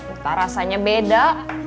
udah rasanya beda